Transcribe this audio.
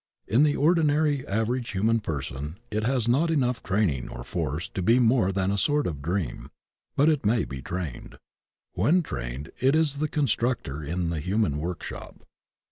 In the ordinary average human person it has not enough training or force to be more than a sort of dream, but it may be trained. When trained it is the Constructor in the Human Workshop.